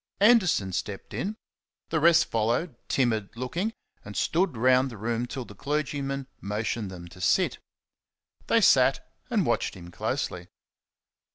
Anderson stepped in; the rest followed, timid looking, and stood round the room till the clergyman motioned them to sit. They sat and watched him closely.